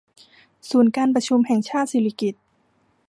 ศูนย์การประชุมแห่งชาติสิริกิติ์